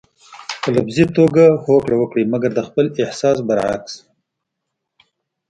په لفظي توګه هوکړه وکړئ مګر د خپل احساس برعکس.